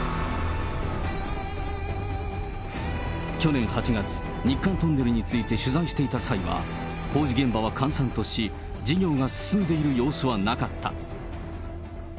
去年８月、日韓トンネルについて取材していた際は、工事現場は閑散とし、事業が進んでいる様子はなかった。